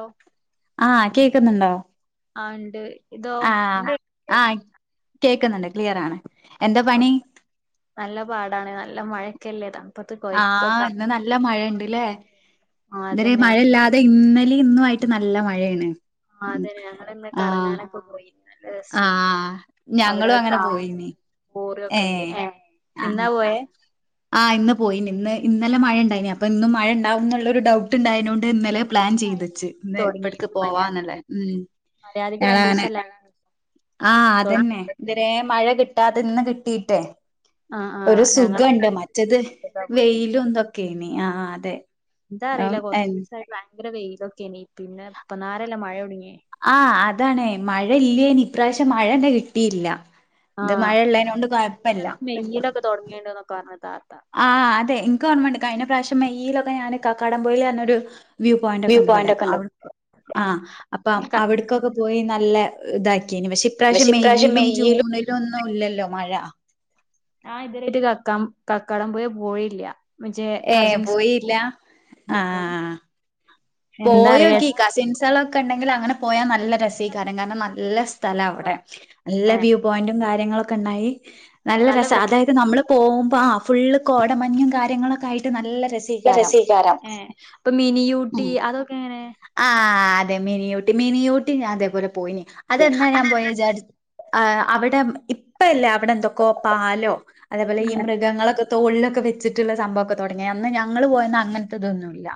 ഓ ആ കേക്ക്ന്ന്ണ്ടോ? ആ ഇണ്ട്. ആ ആ കേക്ക്ന്ന്ണ്ട് ക്ലിയർ ആണ്. എന്താ ഓ പണി നല്ല പാടാണ്. നല്ല മഴക്കല്ലേ? തണ് ആ ഇന്ന് നല്ല മയണ്ട്ല്ലേ? ആ ഇന്നലെയും അതന്നെ മഴല്ലാതെ ഇന്ന് ലെയു ഇന്നു ആയിട്ട് നല്ല മഴയാണ്. ഉം ആതന്നെ ഞങ്ങളിന്ന് ആഹ് കറങ്ങാനൊക്കെ പോയി. നല്ല രസേനി. ആഹ് അവിടെ ഞങ്ങളും അങ്ങനെ കാട് പോയിനി കോറി ഒക്കെണ്ട്. ഏഹ് ഏ? ഇന്നാ ആഹ് പോയേ? ആഹ് ഇന്ന് പോയിന്. ഇന്ന് ഇന്നലെ മഴണ്ടായിനി. അപ്പൊ ഇന്നും മഴണ്ടാവുംന്നുള്ളരു ഡൗട്ട് ഇണ്ടായിനു. അതോണ്ട് ഇന്നലെ പ്ലാൻ ചെയ്തച്ച് ഇന്ന് ഇവിട്ക്ക് പോവാന്നല്ലേ. ഉം മര്യാദയ്ക്ക്, രണ്ടു, ദിസല്ലേ ആ അതന്നേ. ഇതരേ മഴ കിട്ടാത്ത ഇന്ന് കിട്ടീട്ടേ ആ ആ ഒരു ഞങ്ങളൊക്കെ സുഖണ്ട്. മറ്റത് അടുത്ത്ക്കാ പോയിന് വെയിലും ഇതൊക്കേനി. ആ അതെ. എന്താ അറിയില്ല കൊറച്ച് ദിവസായിട്ട് വയങ്കര വെയിലൊക്കേനി. പിന്നെ ഇപ്പ നേരല്ല മഴ ഒടങ്ങിയേ ആ അതാണെ. മഴ ഇല്ലേനി. ഇപ്രാവശ്യം മഴന്നെ കിട്ടീല്ല. ഇത് ആ മഴയിള്ളേനോണ്ട് കൊയപ്പല്ല. മെയ്യിലൊക്കെ തുടങ്ങിണ്ട്ന്നൊക്കെ പറഞ്ഞു താത്ത ആഹ്, അതെ, ഇൻക്ക്, ഓർമണ്ട്, കയിഞ്ഞ, പ്രാശം, മെ്യിലൊക്കെ, ഞൻ കാക്കാടം പോയിൽ പറഞ്ഞൊരു വ്യൂ പോയിന്റൊക്കെ ഇണ്ടിവിടെ. പോയിന്റ് ഒക്കെ ഉണ്ട് അവി ആ അപ്പം അവിട്ക്കൊക്കെ പോയി നല്ല ഇതാക്കീന്. പക്ഷെ ഇപ്രാവശ്യം മെയ്യിലും ജൂണിലും ഒന്നുല്ലല്ലോ മഴ. ഞാ ഇതരായിട്ടും കക്കാം കക്കാടം പൊയി പോയില്ല. ജെ, ഏ കസിൻസ്. പോയില്ല ആ എന്താ അറിയാ പോയോക്കി. കസിൻസേളൊക്കെണ്ടെങ്കിൽ അങ്ങനെ പോയാ നല്ല രസേയ്ക്കാരം. കാരണം നല്ല സ് സ്ഥലാ അവിടെ. നല്ല ഏ വ്യൂ പോയിന്റും കാര്യങ്ങളൊക്കെ ഇണ്ടായി നല്ല രസാ. വൃത്തി അതായത് നമ്മള് നല്ല പോവുമ്പോ, ആ ഫുള്ള് കോടമഞ്ഞും കാര്യങ്ങളൊക്കെ ആയിട്ട് നല്ല അപ്പ രസീകാരം രസെയ്ക്കാരം. അപ്പൊ മിനിയൂട്ടി ഉം അതൊക്കെ എങ്ങനെ? ആ അതെ മിനിയോട്ടി. മിനിയോട്ടി ഞാൻ ഇതേപോലെ പോയിന്. അതെന്നാ ഞാൻ പോയേ വിചാരി ആ അവിടെ ഇപ്പല്ലാ അവിടെന്തൊക്കോ പാലോ അതേപോലെ ഉം ഈ മൃഗങ്ങളൊക്കെ തോള്ലൊക്കെ വെച്ചിട്ട്ള്ള സംഭവൊക്കെ തൊടങ്ങിയേ. അന്ന് ഞങ്ങള് പോയന്ന് അങ്ങനത്തതൊന്നുല്ല.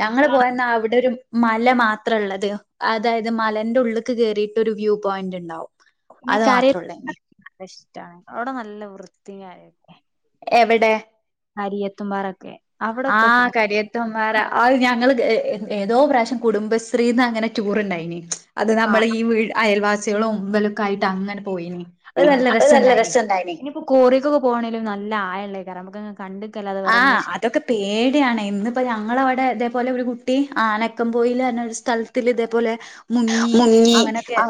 ഞങ്ങള്, ഇപ്പളാണ് പോയന്ന്, അവിടെ, രു മല മാത്രള്ളത്. അതായത് മലന്റെ ഉള്ള്ക്ക് കേറിയിട്ട് ഒരു വ്യൂ പോയിന്റ്ണ്ടാവും. അത് മാത്രൊള്ളു ഇനി റ്റാ. അവിടെ നല്ല വൃത്തിയായല്ലേ എവിടെ? അരിയത്തുംമ്പാറൊക്കെ ആഹ് കരിയത്ത് വന്നോരാ അത് ഞങ്ങള് ഏതോ പ്രാവശ്യം കുടുംബശ്രീന്ന് അങ്ങനെ ടൂർണ്ടായിന് അത് ആ നമ്മള് ഈ വീട് അയൽവാസികളും ഇവലൊക്കെയുമായിട്ട് അങ്ങനെ പോയിനി അത് നല്ല രസണ്ടായിനി ഇനിയിപ്പോ കോറീക്കൊക്കെ പോവാണേൽ നല്ല ആാഴല്ലേക്കാരം നമുക്ക് കണ്ടിക്കല്ലാതെ ആ വേറൊന്നും അതൊക്കെ പേടിയാണ് ഇന്നിപ്പോ ഞങ്ങളെ അതെ ഇതേപോലെ ഒരു കുട്ടി ആനക്കംപോയിൽ പറഞ്ഞ ഒരു സ്ഥലത്തിൽ ഇതേപോലെ മുങ്ങി അങ്ങനെയൊക്കെ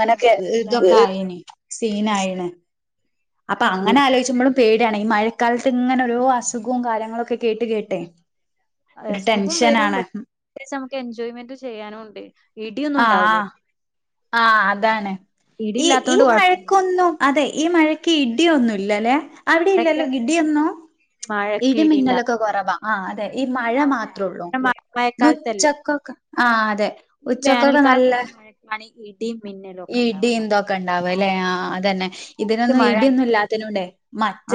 ഇതൊക്കെ അറയിന് സീനായിണ് അപ്പൊ അങ്ങനെ ആലോചിക്കുമ്പോഴും പേടി പേടിയാണ് ഈ മഴക്കാലത്ത് ഇങ്ങനെ ഓരോ അസുഖവും കാര്യങ്ങളുമൊക്കെ കേട്ട് കേട്ട് അസുഖവും വരും നമുക്ക് എൻജോയ്മെന്റ് ചെയ്യാനും ഉണ്ട് ഇടിയൊന്നും ആ ഉണ്ടാവൂലേ ആ ആ അതാണ് ഇടി ഈ ഈ ഇല്ലാത്തോണ്ട് കൊഴപ്പല്ല മഴക്കൊന്നും അതെ ഈ മഴയ്ക്ക് ഇടിയൊന്നും ഇല്ലല്ലെ അവിടെ ഇല്ലല്ലോ മഴക്കാലത്ത് ഇടി യൊന്നും മഴക്ക് ഇടി ഉണ്ടാവും ഇടിമിന്നലൊക്കെ കുറവാ ആ് അതെ ഈ മഴ ഇണ്ടാവൂല മാത്രേ ഉള്ളൂ കാരണം മഴ ഇന്ന് മഴക്കാലത്തല്ലേ ഉച്ചക്കൊക്കെ ആ അതെ ഈ ഉച്ചക്കൊക്കെ നല്ല വേനൽക്കാലത്തുള്ള മഴക്കാണ് ഇടിയും മിന്നലും ഒക്കെ ഉണ്ടാവാ ഇടിം ഇതൊക്കെ ണ്ടാവലേ മഴ ആ അതെന്നെ തന്നെ ഇതിനൊന്നും മഴ ഇടിയൊന്നും ഇല്ലാത്തതിനെ കൊണ്ട്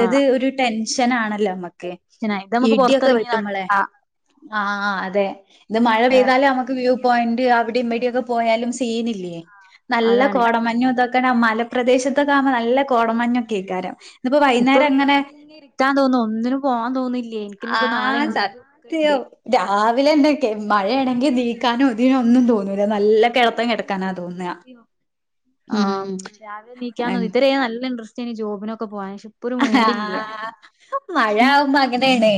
ആ ഒരു ടെൻഷൻ ആണല്ലോ കെ ഇത് നമുക്ക് ഇഡിയൊക്കെ പുറത്തിറങ്ങി നട വെട്ടുമ്പളെ ആ ആ അതെ ഇത് മഴ പെയ്താലെ നമുക്ക് വ്യൂ പോയിൻ്റ് അവിടിം വിടൊക്കെ പോയാലും സീനല്ലേ നല്ല അതാണ് കോടമഞ്ഞും ഇതൊക്കെ നമ്മ മല പ്രദേശത്തൊക്കെ ആവുമ്പോ നല്ല കോടമഞ്ഞൊക്കെക്കാരം ഇന്നിപ്പോ ഇപ്പൊ വൈകുന്നേരം എങ്ങനെ വീട്ടിലിങ്ങനെ ഇരിക്കാൻ തോന്നും ഒന്നിനും പോവാൻ തോന്നുന്നില്ലേ ആഹ സത്യം രാവിലെ തന്നെയൊക്കെ ഉറങ്ങാൻ മഴയാണെങ്കിൽ തോന്നില്ല നീക്കാനോ ഇതിനൊന്നും തോന്നൂല നല്ല ഒന്നിനും കിടത്തം കിടക്കാനാ തോന്നുന്നില്ല തോന്നുക സത്യം ആഹ് രാവിലെ നീക്കാൻ ഇതരെ നല്ല ഇൻട്രസ്റ്റായിരുന്നു ജോബിനൊക്കെ പോവാന് ഇപ്പൊ ഒരു മൂടില്ല ആഹ് മഴ ആവുമ്പോ അങ്ങനെയാണ്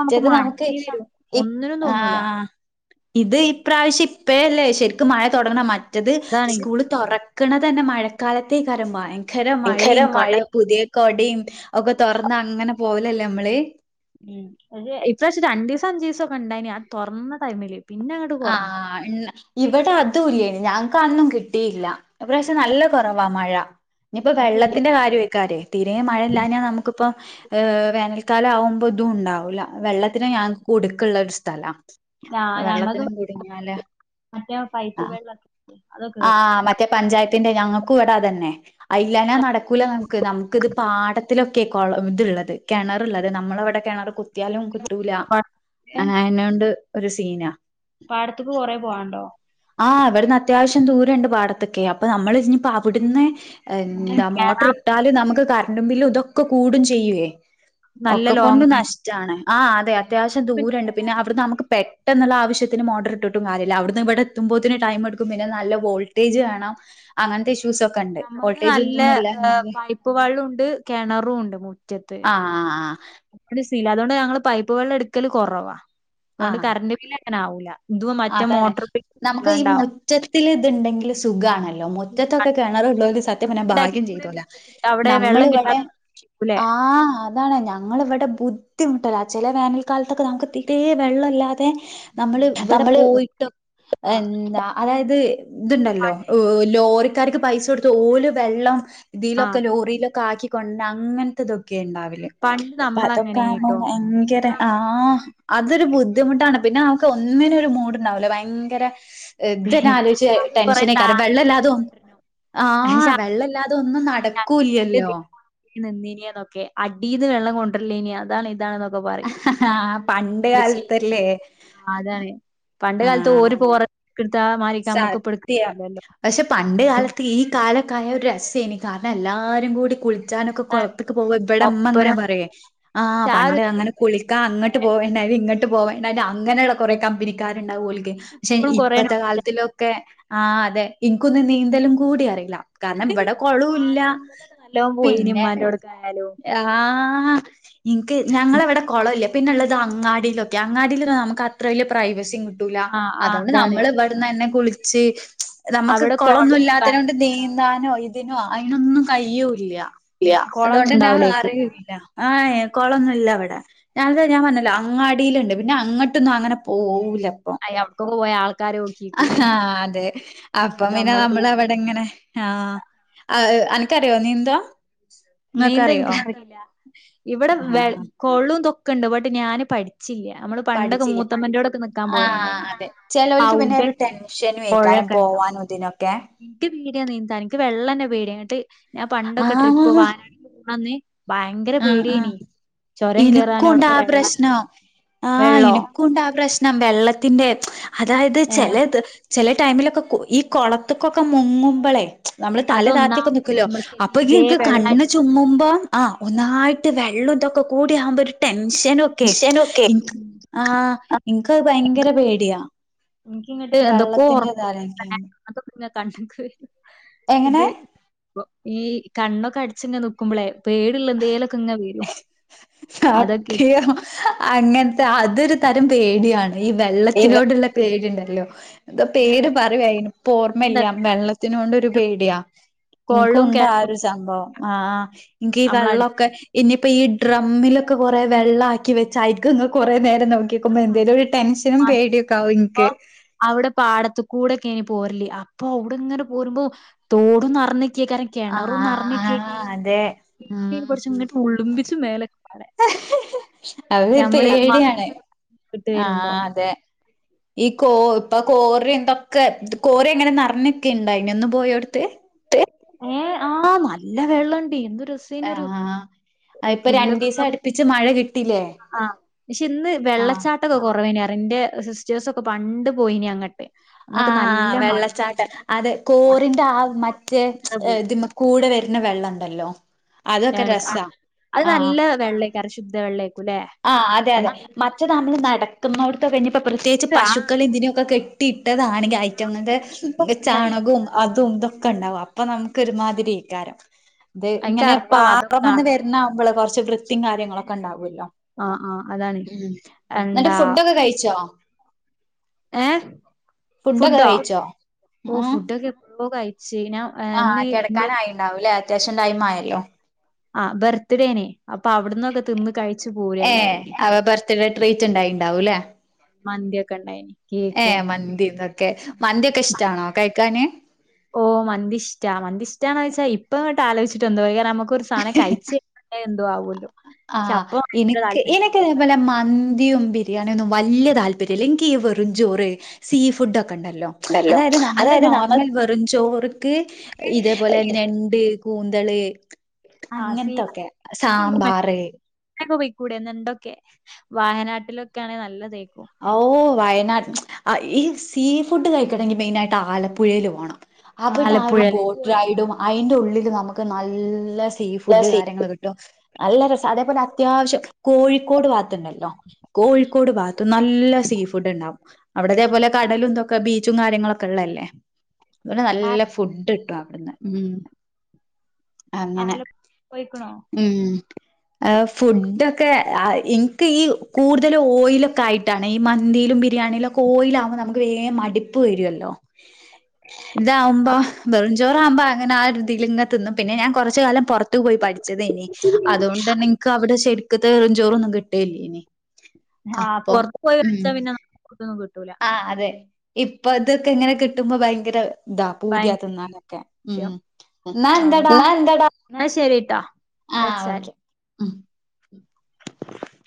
നമുക്ക് മടി വരും ഇ ഒന്നിനും തോന്നൂല ആഹ് ഇത് ഇപ്രാവശ്യം ഇപ്പയല്ലേ ശരിക്കും മഴ തൊടങ്ങ മറ്റത് അതാണ് സ്കൂള് തൊറ തൊറക്കണ തന്നെ മഴക്കാലത്തേക്കാരം ഭയങ്കര ഭയങ്കര മഴിം കൊട മഴ പുതിയെ ഒക്കെ തൊർന്ന് അങ്ങനെ പോവലല്ലേ നമ്മള് ഉം ഇപ്രാവിശ്യം രണ്ടീസം അഞ്ചീസൊക്കെ ഉണ്ടായിന് ആ തൊറന്ന ടൈമില് പിന്നെ അങ്ങട്ട് കുറഞ്ഞതാ ആഹ് ഇണ്ടായി ഇവിടെ അതുല്യേനി ഞങ്ങക്ക് അന്നും കിട്ടീല്ല ഇപ്രാവശ്യം നല്ല കുറവാ മഴ ഇനിപ്പോ അത് ശരി വെള്ളത്തിന്റെ കാര്യയ്ക്കാരെയ് തീരേ മഴല്ലാഞ്ഞാ നമ്മക്കിപ്പൊ വേനൽക്കാലാവുമ്പോ ഇതുണ്ടാവൂല്ല വെള്ളത്തിന് ഞങ്ങക്ക് കുട്ക്ക്ള്ളരു സ്ഥലാ ആ അപ്പൊ ഞങ്ങക്ക് വെള്ളത്തിനും വെള്ളൊക്കെ അതൊക്കെ ആ വരും മറ്റേ പഞ്ചാത്ത് പിന്നെ ഞങ്ങക്കും ഇവ്ടതന്നെ അതന്നെ അതിലാഞ്ഞാ നടക്കൂല നമുക്ക് നമുക്ക് ഇത് പാട പാടത്തിലൊക്കെ ഇത്ള്ളത് കിണറള്ളത് നമ്മളെവിടെ കിണർ കുത്തി കുത്ത്യാലും കിട്ടൂല ഏ അയ്നൊണ്ട് ഒരു സീനാ പാടത്ത്ക്ക് കൊറെ പോവാണ്ടോ ആഹ് ഇവിടുന്ന് അത്യാവശ്യം ദൂരണ്ട് പാടത്ത്ക്കെ അപ്പ നമ്മള് ഞ്ഞ്പ്പോ അവിടുന്ന് എന്താ മോട്ടർ കേറാം ഇട്ടാലും നമുക്ക് കരണ്ട് ബില്ലും ഇതൊക്കെ കൂടും ചെയ്യേ നല്ല ഒക്കെക്കൊണ്ടും ലോങ്ങായി നഷ്ടാണ് ആ അതെ അത്യാവശ്യം ദൂരണ്ട് പിന്നെ അവിടന്ന് നമുക്ക് പെട്ടെന്നുള്ള ആശ്യത്തിന് മോട്ടർ ഇട്ട് ഇട്ടിട്ടും കാര്യല്ല അവിന്ന് ഇവിടെ എത്തുമ്പോത്തിനും ടൈം എടുക്കും പിന്നെ നല്ല വോൾട്ടേജ് വേണം അങ്ങനത്തെ ഇശ്ശു ഇഷുസ് ഒക്കെണ്ട് നമ്മൾത് വോൾേജ് നല്ല ഒന്നും ഇല്ലാഞ്ഞാല് പൈപ്പ് വെള്ളോണ്ട് കെണറുണ്ട് മുറ്റത്ത്. ആഹ് ആ [unintelligible] അതുകൊണ്ട് ഞങ്ങള് സീനില്ല അതോണ്ട് ഞങ്ങൾ പൈപ്പ് വെള്ളം എടുക്കല് കുറവാ ആ അതുകൊണ്ട് കറണ്ട് ബില്ല് അങ്ങനെ ആവൂല്ല അതാണ് നമക്ക് ഈ മുറ്റത്തില് ഇത്ണ്ടെങ്കിൽ സുഖാണ് മുറ്റത്തൊക്കെ കിണറ്ള്ളോല് സത്യം പറഞ്ഞ ഉണ്ടാക്കി ഭാഗ്യം കൂടെ ചെയ്തോലാ മുറ്റത്തില് അവിടെ വെള്ളം നമ്മളിവിടെ കിട്ടാതെ വിഷമിക്കൂലേ? ആഹ് അതാണ് ഞങ്ങളിവടെ ബുദ്ധിമുട്ടാണ് ബുദ്ധിമുട്ടല ചെല വേനൽക്കാലത്തൊക്കെ നമക്ക് തീരേ വെള്ളമല്ലാതെ നമ്മള് ഇവടെ നമ്മള് പോയിട്ടൊ ആഹ് എന്താ അതായത് ത്ണ്ടല്ലോ ഓ ലോറി ലോറിക്കാര്ക്ക് പൈസൊട്ത്ത് ഓല് വെള്ളം ആഹ് ഇതീലൊക്കെ ലോറിയിലൊക്കാക്കിക്കൊണ്ട ങ്ങനത്ത ത്തെതൊക്കെണ് ഒക്കെ ഉണ്ടാവല് പണ്ട് അപ്പതൊക്കാമ്പോ നമ്മളങ്ങനേനിട്ടോ. ഭയങ്കര ഇപ്പളാ നമ്മള് ആഹ് അതൊരു റെഡിയാക്കിയൊക്കെ. ബുദ്ധിമുട്ടാണ് പിന്നാ നമ്മക്ക് ഒന്നിനു ഒരു മൂഡ്ണ്ടാവുല ഭയങ്കരെ ഇദ്ധന്നെ ആലോയ്ച്ച് അത് കൊറേ ടെൻഷനെയ്ക്കാരം താങ്ങി പിടിച്ച് വെള്ളല്ലാതൊന്നും കൊണ്ടരണം. ആഹ് വെള്ളല്ലാതെ ഒന്നും നടക്കൂല്ല്യല്ലോ നിന്നീന്യേന്നൊക്കെ അടീന്ന് വെള്ളം കൊണ്ടര്ലേനി അതാണ് ഇതാണ് ന്നൊക്കെ ന്നൊക്ക പാറീം പണ്ട് ന്ത്‌ ചെയ്യാ കാലത്തല്ലേ ആ അതാണ് പണ്ട് കാലത്ത് ആഹ് ഓര് പോറ സത്യം പക്ഷെ പണ്ട് കാലത്ത് ഈ കാലൊക്കായ ഒരു രെസ സ്സേനി കാരണെല്ലാരും കൂടി കുൾ ൾച്ചാനൊക്കെ അതാണ് കൊൾത്ത്ക്ക് പോവ ഇബടെ മ്മ ങ്ങനെ ഒപ്പരം പറയുയേ ആ പക്ഷെ പണ്ട് ഒരു അങ്ങനെ കുളിക്കാ അങ്ങട്ട് പോവണ്ടാനി ഇങ്ങട്ട് പോവണ്ടാനി അങ്ങനെയുള്ള കൊറെ കമ്പനിക്കാരുണ്ടാവു ആഹ് ഓല്ക്ക് പക്ഷെ ഇൻക്കിപ്പളും കൊറേ ഇപ്പത്തെ കാല ത്തിലൊക്കെ ആ അതെ ഇനിക്കൊന്നു നീന്തലും കൂടി അറിയില്ല കാരണം ഇവടെ ആഹ് കൊളൂല്ല ചെറുപ്പത്തൊക്കെ നല്ലോം പോയീനി പിന്നെ ഇമ്മാന്റോട്ക്കായാലും. ആഹ് ആ ഇനിക്ക് ഞങ്ങളവടെ കുളല്ല പിന്നെള്ളത് അങ്ങാടിയിലൊക്കെ അങ്ങാടിൽ നമ ക്കത്ര വല്യ പ്രൈവസിയും കിട്ടൂല ആഹ് ആഹ് അതോണ്ട് അതാണ്. നമ്മള്, വ ട്ന്നെ കുളിച്ച് നമ്മക്ക് അവിടെ കുളൊന്നു കൊളും ഇല്ലാത്തനെ കൊണ്ട് കാര്യൊന്നും നീന്താനോ ഉണ്ടാവൂലല്ലേ. ഇതിനോ അയ്നൊന്നും കയ്യൂല്ല്യാ കൊളൊന്നും അതുകൊണ്ട്ന്നെ ഉണ്ടാവൂലേക്കും. അറീല്ല ആ ഏ കൊളൊന്നുല്ലവടെ ഞങ്ങക്ക് ഞാൻ പറഞ്ഞല്ലോ അങ്ങാടീല്ണ്ട് പിന്നങ്ങോട്ടൊന്നു അങ്ങനെ പോവൂല അയേ അവട്ക്കൊക്കെ പോയ ആൾക്കാരു ആഹാ അതെ അപ്പം പിന്നെ നമ്മളെ കുറി നമ്മള് അവടിങ്ങനെ ആഹ് ആ അനക്കറിയോ നീന്തോ ഇങ്ങക്കറിയോ? ഇവടെ വെ ആഹ് കൊളോ ഇതൊക്കണ്ട് ബട്ട് ഞാന് പടി ചില്ല മ്മള് പണ്ടൊക്കെ പഠിച്ചില്ല മൂത്തമ്മന്റോടൊക്കെ നിക്കാൻ ആഹ് പോയണ്ടായിനി അതെ അഉടെക്കെ പൊഴ പോവാനു ഇതിനൊക്കെ നിക്ക് പേടിയ നീന്താന് ഇൻക്ക് വെള്ളന്നെ പേടിയ ന്നിട്ട് ഞാൻ പണ്ടൊക്കെ ട്രിപ്പ് ആഹ് വാനാട്ക്ക് പോന്നന്ന് ഭയങ്കര ആഹ് ആഹ് പേടിയേനി ചൊരം കേറാനും ഇനിക്കുണ്ട് അവിടുത്തെ ആ വെള്ള പ്രശ്നോ ആഹ് വെള്ളോ ഇനിക്കുണ്ട് ആ പ്രശ് നം വെള്ളത്തിന്റെ അതായത് ഏഹ് ചെലെ ത് ചെലെ ടൈമിലൊക്കെ കൊ ഈ കുളത്ത്ക്കൊക്കെ മുങ്ങുമ്പളേ എംച് നമ്മള് തല താത്തിയൊക്കെ അതൊന്നാമത് നിക്കൊല്ലോ നമ്മൾക്ക് അപ്പെയ്ക്ക് തീരെ ൻക് കണ്ണ് വെള്ളായിട്ട് ബന്ധല്ല ചുമ്മുമ്പോ ആഹ് ഒന്നായിട്ട് വെള്ളോ തൊക്കെ കൂടിയാമ്പോര് ടെൻ ൻഷനു ഒക്കെ മിഷനൊക്കെ ഇൻക്ക് ആ ഇനിക്ക് ഭയങ്കര പേടിയാ എനിക്കിങ്ങട്ട് എന്തൊക്ക ഒറ വെള്ളത്തിന്റെ ഇതാലോയ്ക്കുമ്പോ [unintelligible] കണ്ണ്ക്ക് ഇത് എങ്ങനെ ഈ കണ്ണൊക്കട്ച്ചങ്ങെ നിക്കുമ്പളേ പേടിള്ളെന്തേലൊക്കെങ്ങെ വെരും അതൊക്കെ സത്യം അങ്ങനത്തെ അതൊരു തരം പേടിയാണ് ഈ വെള്ളത്തിനോടുള്ള പേടിണ്ടല്ലോ എന്താ പേര് പറയു അയിന്പ്പോർമ്മല്ല്യാ വെള്ളത്തിനോ ടൊരു പേടിയാ കൊളോം ഇൻക്കുണ്ട് ആ കെണറും ഒരു സംഭവം ആഹ് ഇന്കി നമ്മളടുത്ത് വെള്ളൊക്കെ ഇനി ഇപ്പൊ ഈ ഡ്രമ്മിലൊക്കെ കൊറേ വെള്ളാക്കി വെച്ചായിക്ക്ങ്ങ് കൊറേ ഞാൻ നേരന്നോക്കിക്കുമ്പോ എന്തേലു ഒരു പണ്ട് ടെൻഷനും പേടിയൊക്കാവു ഇൻക്ക് അവടെപ്പാടത്ത്ക്കൂടൊക്കേനി പോര്ല് അപ്പൊ അഉടെ ങ്ങനെ പോരുമ്പോ തോടും നറന്ന് കേക്കാര കെണറുന്നർഞ്ഞി ആഹ് അതെ ഉം [unintelligible] മ്മേലെ അത് പേടിയാണ് മദ്രസ വിട്ട് വരുമ്പോ. ആഹ് അതെ ഈകോ ഓ ഇപ്പൊ കോറി എന്തൊക്കെ കോറി എങ്ങനെ നിറഞ്ഞൊക്കെ ണ്ടായിനോ ഇന്ന് പോയോട്ത്? ഏഹ് ആഹ് നല്ല വെള്ളണ്ട്. ആഹ് അതിപ്പൊ പുല്ലൊക്കെ - രണ്ടീസം അടുപ്പിച്ച് മഴ കിട്ടില്ലേ ആഹ് പക്ഷെ ഇന്ന് ആഹ് വെള്ളച്ചാട്ടൊക്കെ കൊറവെയ്ന് - എൻ്റെ സിസ്റ്റേഴ്സൊക്കെ പണ്ട് പോയിനി അങ്ങട്ട്. അന്നൊക്കെ നല്ല ആഹ് മഴിം വെള്ളച്ചാട്ടം അത് കോറിന്റെ ആ മറ്റേ പോയി. ഇതി കൂടെ വരു- ന്ന വെള്ള ണ്ടല്ലോ. അത് നല്ല വെള്ളയക്കാറ് ശുദ്ധ വെള്ളയ്ക്കു ല്ലെ ആഹ് അതെ അതെ മറ്റേ നമ്മള് നടക്കുന്നോടത്ത് കഴിഞ്ഞപ്പോ പ്രത്യേകിച്ച് ആഹ് പശുക്കൾ ങ്ങനൊക്കെ കെട്ടി - കെട്ടിട്ടതാണെങ്കിൽ [unintelligible] ഇണ്ടായിനി. ചാണകവും അതും ഇതൊക്കെ ണ്ടാവാം അപ്പൊ നമുക്ക് ഒരുമാതിരിക്കാരം അത് ഇൻക്ക് ഇങ്ങനെ അറപ്പാവാ അതൊക്കെ പാറംന്ന് കാണുമ്പോ. വരുന്നാവകുമ്പോള് കുറച്ച് വൃ- ത്തീം കാര്യങ്ങളൊക്കെ ഉണ്ടാവുല്ലോ ആഹ് ആഹ് അതാണ്. ഉം എന്നിട്ട് എന്താ ഫുഡൊക്കെ കഴിച്ചോ? ഏഹ് ഫുഡൊക്കെ ഫുഡോ കഴിച്ചോ ഓ ഉം ഫുഡ് ഒക്കെ എപ്പോ കഴിഞ്ഞു ശരി ഞാൻ ആഹ് ഇന്ന് കിടക്കാനായിണ്ടാവൂല്ലേ അത്യാവശ്യം ടൈം ആയല്ലോ. ആ ബർത്ത്ഡേനെ അപ്പൊ അവിടന്നൊക്കെ തിന്ന് കഴി - ഏ അവ ബർത്ത്ഡേ ട്രീറ്റ് ഉണ്ടായിണ്ടാവൂല്ലേ. മന്തി ഒക്കെ ണ്ടായിന്. ഏ മന്തിന്നൊക്കെ മന്തി ഒക്കെ ഇഷ്ടാണോ കഴിക്കാന്? ഓ മന്തിഷ്ട മന്ഷ്ടാ ണോന്ന് ചോയ്ച്ച ഇപ്പ ഇങ്ങോട്ട് ആലോചിട്ട് എന്തോ ഒരു - ഒരു സാനം കഴിച്ചിട്ടെന്തോ ആവോ - ആഹ് എനക്ക് എനക്ക് തിന്നാന്. പിന്നെ മ - ന്തിം ബിരിയാണിയൊന്നും വല്ല്യ താല്പര്യംല്ലെ ഇൻക്ക് ഈ വെറും ചോറ് സീ ഫുഡ് ഒക്കെ- ണ്ടല്ലോ അതായത് നമ്മളുടെ നോർമൽ വെറും ചോർക്ക് ഇതേപോലെ ഞണ്ട് - കൂന്തള് ആഹ് സീ അങ്ങനത്തൊക്കെ സാമ്പാർ- പോയിക്കൂടണ്ടൊക്കെ വാനാട്ടിലൊക്കെ ആണെ നല്ലത്- ഓ വയനാട് ഈ സീ ഫുഡ് കഴിക്കണമെങ്കിൽ മെയിനയിട്ട് ആലപ്പുഴയിൽ പോകണം. അവിടെ ആ ഒരു ആലപ്പുഴല്ലേ ബോട്ട് പോയി റൈഡും അതിന്റെ ഉള്ളിൽ നമുക്ക് നല്ല- സീ ഫുഡ് കാര്യങ്ങൾ കിട്ടോ. നല്ല രസം അതേപോലെ അത്യാവശ്യം കോഴിക്കോട് ഭാഗത്തുണ്ടല്ലോ കോഴിക്കോട് ഭാഗത്ത്. നല്ല സീ ഫുഡ് ണ്ടാാവും അവിടതേപോലെ കടലും ഇന്തൊക്കെ ബീച്ചും കാര്യങ്ങളൊക്കെ ള്ളല്ലേ. അതുപോലെ ആ നല്ല ഫുഡ് ട്ടും അവിടുന്ന് ഉം. അങ്ങനെ ആലപ്പുഴ പോയിക്ക്ണോ? മ് ഫുഡൊക്കെ- എനിക്ക് ഈ കൂടുതൽ ഓയിൽ - ആയിട്ടാണ് ഈ മന്തിയിലും ബിരിയാണിയിലും കോയിലാാവുമ്പോ നമുക്ക് വേം മടിപ്പ് വരുല്ലോ- താവുമ്പോ ആഹ് വെറു- ഞൊറവുമ്പോ അങ്ങനെ ആ ഒരുതി ലങ്ങനെ തിന്നും പിന്നെ ഞൻ കുറച്ച കാലം പൊറ - പട്ടു പോയി പഠിച്ചതേനി അതുകൊണ്ട്ന്നെ നിനിക്ക് അവിടെ ശരിക്കത്തെ എറുംചോറൊന്നും കിട്ടല്ലേനി. ആ പുറത്ത് പോയി പഠിച്ച പിന്നെ നത്തൊന്നും കിട്ടൂല. ആഹ് അതെ ഇപ്പൊ ഇതൊക്കെ ങ്ങനെ കിട്ടുമ്പോ ഭയങ്കര- ഇതാ പൂതിയ ഭയങ്കര തിന്നാലൊക്കെ മ് ദേഷ്യം. എന്നാ ആഹ് എന്താടാ. ന്നാ എന്താടാ ന്നാ ശരിട്ടോ ആഹ് വെച്ചാല്. ഓക്കെ. [unintelligible]